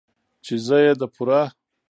،چې زه يې د پوره